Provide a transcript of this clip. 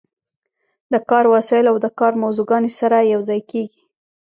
د کار وسایل او د کار موضوعګانې سره یوځای کیږي.